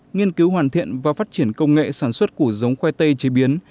nghiên cứu hoàn thiện và phát triển công nghệ sản xuất của giống khoai tây chế biến